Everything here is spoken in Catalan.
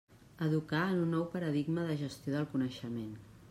Educar en un nou paradigma de gestió del coneixement.